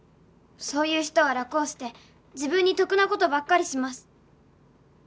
「そういう人は楽をして自分に得な事ばっかりします」